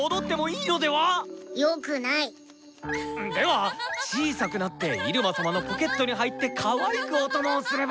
では小さくなってイルマ様のポケットに入ってかわいくお供をすれば。